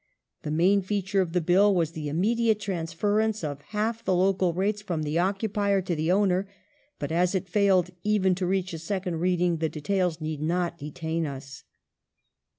The main feature of the Bill was the immediate transference of half the local rates from the occupier to the owner, but as it failed even to reach a second Reading the details need not detain us.